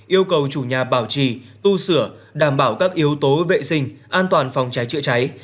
yêu cầu chủ nhà bảo trì tu sửa đảm bảo các yếu tố vệ sinh an toàn phòng cháy chữa cháy